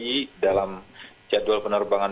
jadi dalam jadwal penerbangan